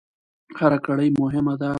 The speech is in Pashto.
هر کړۍ مهمه ده.